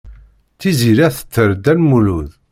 Tiziri ad tetter Dda Lmulud.